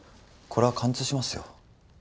これは貫通しますよ。